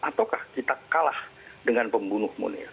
ataukah kita kalah dengan pembunuh munir